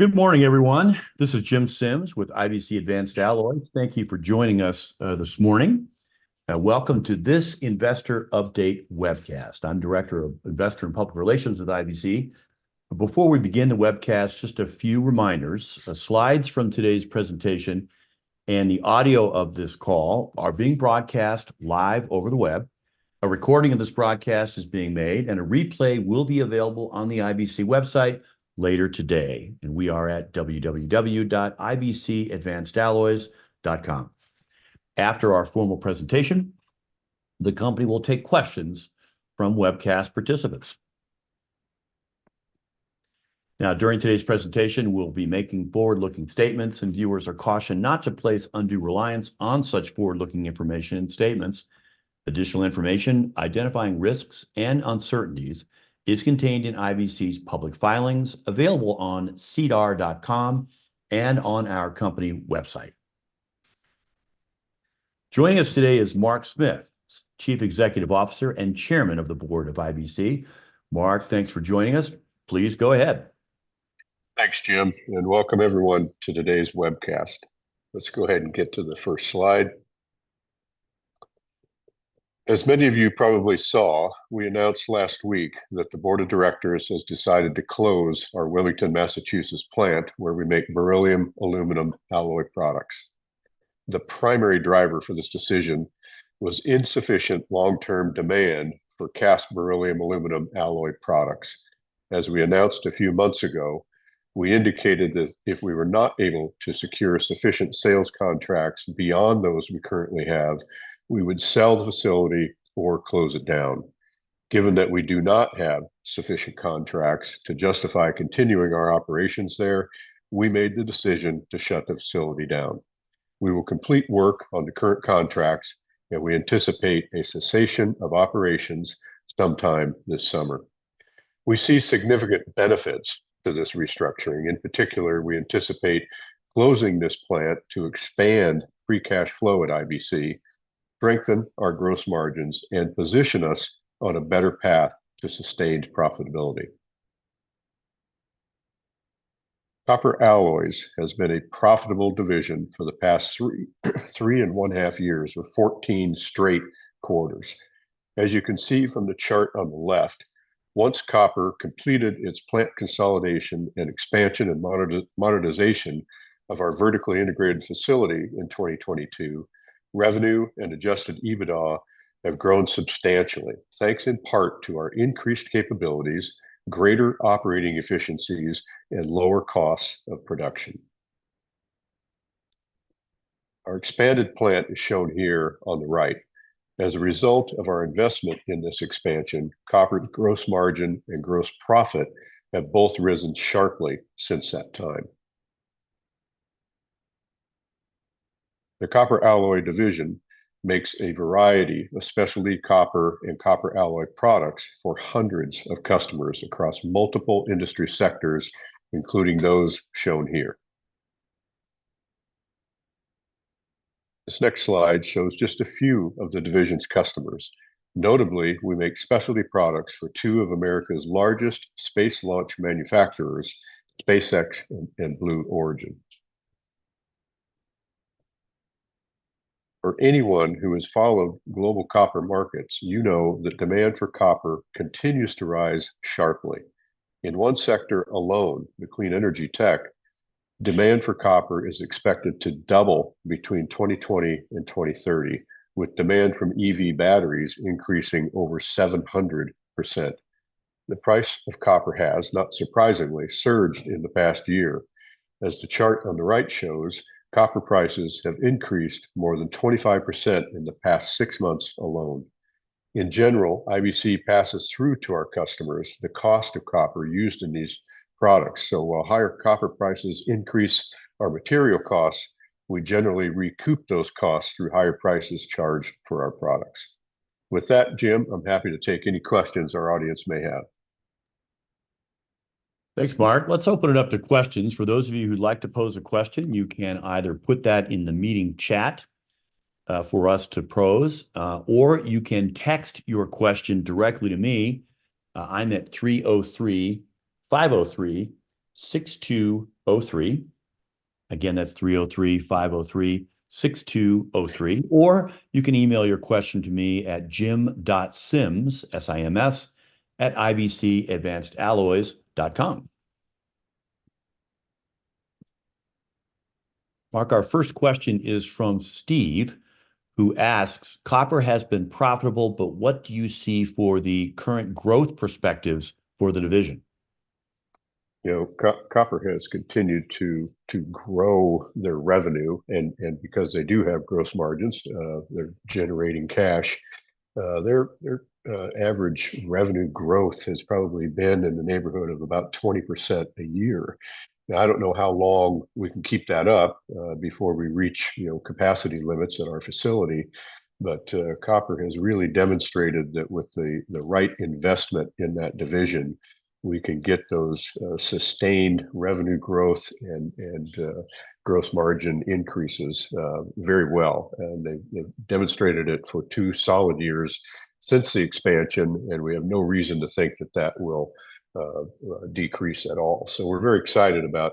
Good morning, everyone. This is Jim Sims with IBC Advanced Alloys. Thank you for joining us this morning, and welcome to this investor update webcast. I'm Director of Investor and Public Relations with IBC. Before we begin the webcast, just a few reminders. Slides from today's presentation and the audio of this call are being broadcast live over the web. A recording of this broadcast is being made, and a replay will be available on the IBC website later today, and we are at www.ibcadvancedalloys.com. After our formal presentation, the company will take questions from webcast participants. Now, during today's presentation, we'll be making forward-looking statements, and viewers are cautioned not to place undue reliance on such forward-looking information and statements. Additional information identifying risks and uncertainties is contained in IBC's public filings, available on SEDAR.com and on our company website. Joining us today is Mark Smith, Chief Executive Officer and Chairman of the Board of IBC. Mark, thanks for joining us. Please go ahead. Thanks, Jim, and welcome everyone to today's webcast. Let's go ahead and get to the first slide. As many of you probably saw, we announced last week that the board of directors has decided to close our Wilmington, Massachusetts, plant, where we make beryllium aluminum alloy products. The primary driver for this decision was insufficient long-term demand for cast beryllium aluminum alloy products. As we announced a few months ago, we indicated that if we were not able to secure sufficient sales contracts beyond those we currently have, we would sell the facility or close it down. Given that we do not have sufficient contracts to justify continuing our operations there, we made the decision to shut the facility down. We will complete work on the current contracts, and we anticipate a cessation of operations sometime this summer. We see significant benefits to this restructuring. In particular, we anticipate closing this plant to expand free cash flow at IBC, strengthen our gross margins, and position us on a better path to sustained profitability. Copper Alloys has been a profitable division for the past 3.5 years, or 14 straight quarters. As you can see from the chart on the left, once Copper completed its plant consolidation and expansion and modernization of our vertically integrated facility in 2022, revenue and Adjusted EBITDA have grown substantially, thanks in part to our increased capabilities, greater operating efficiencies, and lower costs of production. Our expanded plant is shown here on the right. As a result of our investment in this expansion, Copper gross margin and gross profit have both risen sharply since that time. The Copper Alloy division makes a variety of specialty Copper and Copper alloy products for hundreds of customers across multiple industry sectors, including those shown here. This next slide shows just a few of the division's customers. Notably, we make specialty products for two of America's largest space launch manufacturers, SpaceX and Blue Origin. For anyone who has followed global Copper markets, you know that demand for Copper continues to rise sharply. In one sector alone, the clean energy tech, demand for Copper is expected to double between 2020 and 2030, with demand from EV batteries increasing over 700%. The price of Copper has, not surprisingly, surged in the past year. As the chart on the right shows, Copper prices have increased more than 25% in the past 6 months alone. In general, IBC passes through to our customers the cost of Copper used in these products, so while higher Copper prices increase our material costs, we generally recoup those costs through higher prices charged for our products. With that, Jim, I'm happy to take any questions our audience may have. Thanks, Mark. Let's open it up to questions. For those of you who'd like to pose a question, you can either put that in the meeting chat for us to pose, or you can text your question directly to me. I'm at 303-503-6203. Again, that's 303-503-6203, or you can email your question to me at jim.sims, S-I-M-S, @ibcadvancedalloys.com. Mark, our first question is from Steve, who asks: "Copper has been profitable, but what do you see for the current growth perspectives for the division? You know, Copper has continued to grow their revenue, and because they do have gross margins, they're generating cash. Their average revenue growth has probably been in the neighborhood of about 20% a year. Now, I don't know how long we can keep that up before we reach, you know, capacity limits at our facility, but Copper has really demonstrated that with the right investment in that division, we can get those sustained revenue growth and gross margin increases very well. And they've demonstrated it for two solid years since the expansion, and we have no reason to think that that will decrease at all. So we're very excited about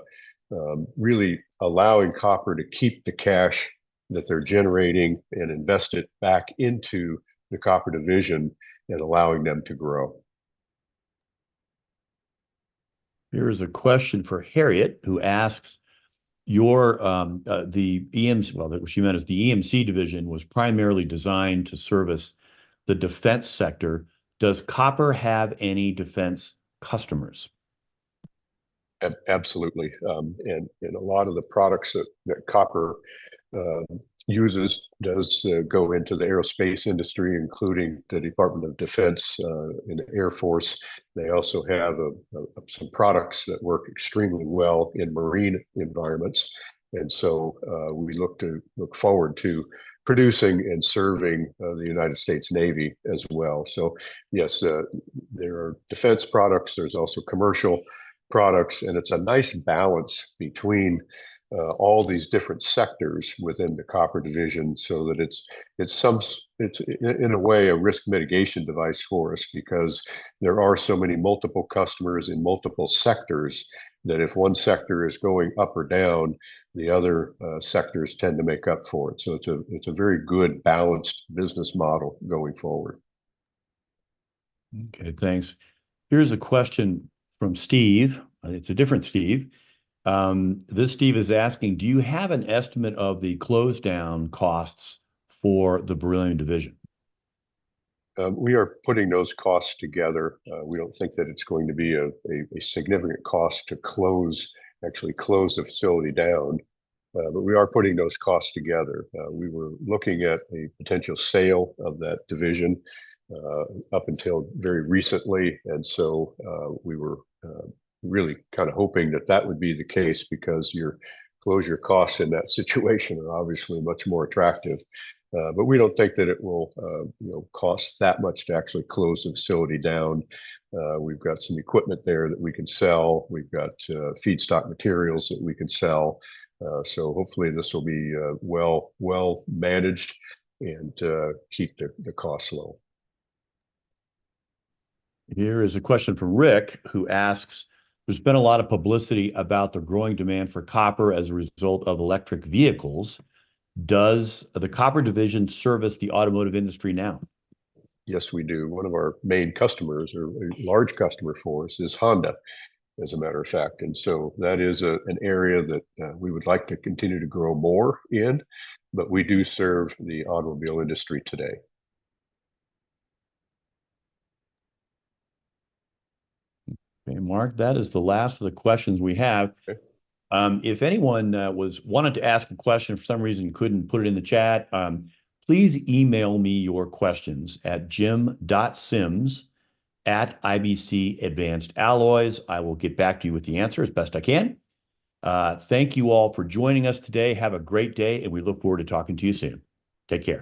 really allowing Copper to keep the cash-...that they're generating and invest it back into the Copper Division and allowing them to grow. Here is a question for Harriet, who asks, well, she meant, "The EM Division was primarily designed to service the defense sector. Does Copper have any defense customers? Absolutely. And a lot of the products that Copper uses does go into the aerospace industry, including the Department of Defense and the Air Force. They also have some products that work extremely well in marine environments, and so we look forward to producing and serving the United States Navy as well. So yes, there are defense products. There's also commercial products, and it's a nice balance between all these different sectors within the Copper Division so that it's in a way a risk mitigation device for us because there are so many multiple customers in multiple sectors, that if one sector is going up or down, the other sectors tend to make up for it. So it's a very good balanced business model going forward. Okay, thanks. Here's a question from Steve. It's a different Steve. This Steve is asking, "Do you have an estimate of the closed down costs for the Beryllium Division? We are putting those costs together. We don't think that it's going to be a significant cost to close, actually close the facility down, but we are putting those costs together. We were looking at a potential sale of that division up until very recently, and so we were really kind of hoping that that would be the case, because your closure costs in that situation are obviously much more attractive. But we don't think that it will, you know, cost that much to actually close the facility down. We've got some equipment there that we can sell. We've got feedstock materials that we can sell, so hopefully this will be well managed and keep the costs low. Here is a question from Rick, who asks, "There's been a lot of publicity about the growing demand for Copper as a result of electric vehicles. Does the Copper Division service the automotive industry now? Yes, we do. One of our main customers, or a large customer for us, is Honda, as a matter of fact, and so that is a, an area that, we would like to continue to grow more in, but we do serve the automobile industry today. Okay, Mark, that is the last of the questions we have. Okay. If anyone was wanted to ask a question, for some reason couldn't put it in the chat, please email me your questions at jim.sims@ibcadvancedalloys.com. I will get back to you with the answer as best I can. Thank you all for joining us today. Have a great day, and we look forward to talking to you soon. Take care.